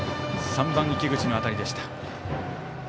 ３番、池口の当たりでした。